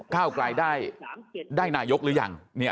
ก้าวกลายได้ได้นายกหรือยังเนี่ย